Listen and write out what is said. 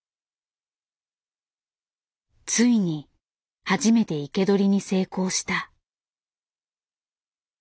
ついに初めて生け捕りに成功した。